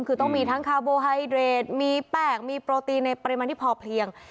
คือต้องมีทั้งคาร์โบไฮเดรดมีแป้งมีโปรตีนในปริมาณที่พอเพียง